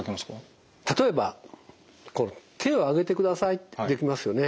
例えば手を上げてくださいってできますよね。